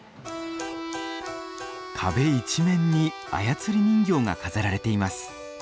壁一面に操り人形が飾られています。